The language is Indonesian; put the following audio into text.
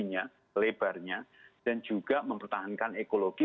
menteri ekologinya lebarnya dan juga mempertahankan ekologi